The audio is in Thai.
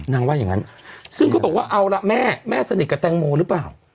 ว่าอย่างงั้นซึ่งเขาบอกว่าเอาละแม่แม่สนิทกับแตงโมหรือเปล่า